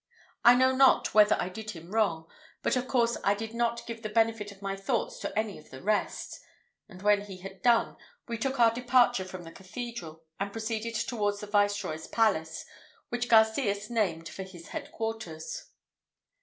I know not whether I did him wrong, but of course I did not give the benefit of my thoughts to any of the rest; and when he had done, we took our departure from the Cathedral, and proceeded towards the Viceroy's palace, which Garcias named for his head quarters.